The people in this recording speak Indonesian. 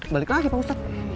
balik lagi pak ustadz